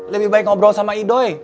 lebih baik ngobrol sama idoy